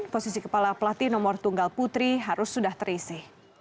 posisi kepala pelatih nomor tunggal putri harus sudah terisi